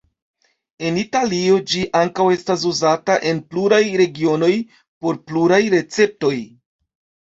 En Italio ĝi ankaŭ estas uzata en pluraj regionoj por pluraj receptoj.